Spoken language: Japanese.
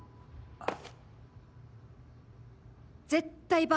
あっ！